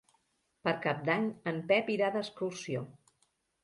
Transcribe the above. Per Cap d'Any en Pep irà d'excursió.